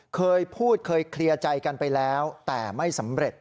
เคยพูดเคยเคลียร์ใจกันไปแล้วแต่ไม่สำเร็จ